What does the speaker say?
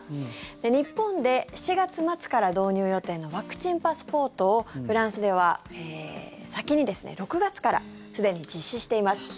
日本で７月末から導入予定のワクチンパスポートをフランスでは先に６月からすでに実施しています。